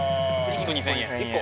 １個２０００円